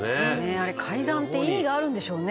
「あれ階段って意味があるんでしょうね」